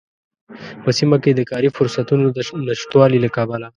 په سيمه کې د کاری فرصوتونو د نشتوالي له کبله